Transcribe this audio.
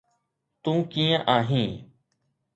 تون ڪيئن آهين؟